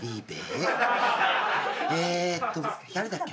えーっと誰だっけ？